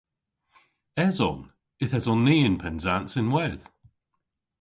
Eson. Yth eson ni yn Pennsans ynwedh.